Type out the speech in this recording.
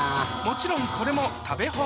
もちろんこれも食べ